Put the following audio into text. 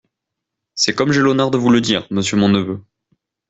C'est comme j'ai l'honneur de vous le dire, monsieur mon neveu.